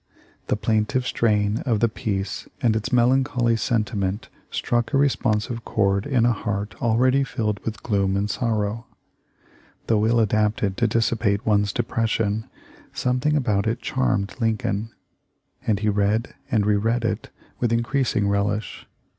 The plaintive strain of the piece and its melancholy sentiment struck a responsive chord in a heart already filled with gloom and sorrow. Though ill adapted to dissipate one's depression, something about it charmed Lincoln, and he read and re read it with increasing relish.